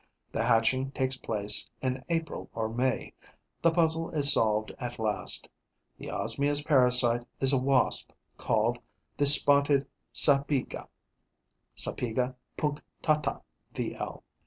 The hatching takes place in April or May. The puzzle is solved at last: the Osmia's parasite is a Wasp called the Spotted Sapyga (Sapyga punctata, V.L.)